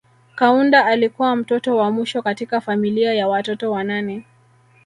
Kaunda alikuwa mtoto wa mwisho katika familia ya watoto wanane